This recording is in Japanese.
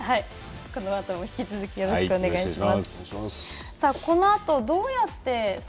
このあとも引き続きよろしくお願いします。